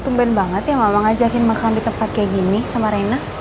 tumben banget ya mama ngajakin makan di tempat kayak gini sama rena